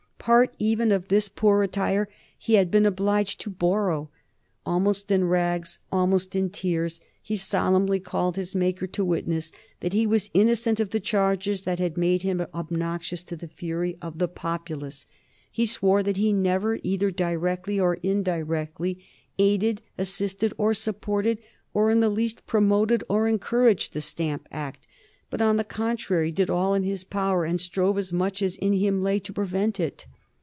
Part even of this poor attire he had been obliged to borrow. Almost in rags, almost in tears, he solemnly called his Maker to witness that he was innocent of the charges that had made him obnoxious to the fury of the populace. He swore that he never, either directly or indirectly, aided, assisted, or supported, or in the least promoted or encouraged the Stamp Act, but on the contrary did all in his power, and strove as much as in him lay, to prevent it.